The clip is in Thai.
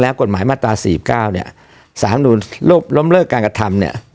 แล้วกฎหมายมาตราสี่สิบเก้าเนี้ยสารน้ำนูนลบล้อมเลิกการกระทำเนี้ย